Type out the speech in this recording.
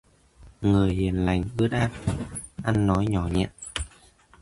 Người hiền lành ướt át, ăn nói nhỏ nhẹ